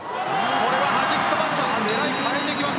これははじき飛ばした。